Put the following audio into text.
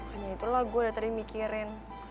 makanya itulah gue udah tadi mikirin